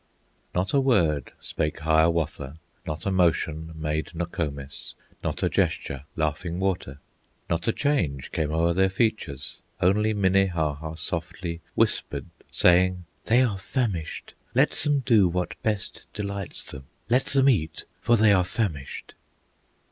Not a word spake Hiawatha, Not a motion made Nokomis, Not a gesture Laughing Water; Not a change came o'er their features; Only Minnehaha softly Whispered, saying, "They are famished; Let them do what best delights them; Let them eat, for they are famished."